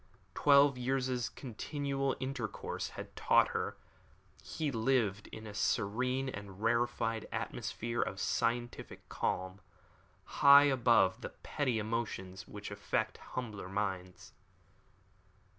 Twelve years' continual intercourse had taught her that he lived in a serene and rarefied atmosphere of scientific calm, high above the petty emotions which affect humbler minds.